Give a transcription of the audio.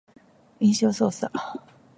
印象操作